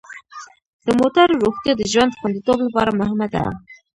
د موټرو روغتیا د ژوند خوندیتوب لپاره مهمه ده.